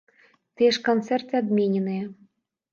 Тыя ж канцэрты адмененыя.